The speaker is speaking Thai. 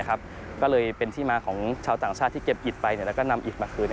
ก็เลยเป็นที่มาของชาวต่างชาติที่เก็บอิตไปแล้วก็นำอิตมาคืน